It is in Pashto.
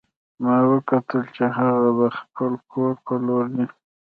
ما وکتل چې هغه د خپل کور په لور ځي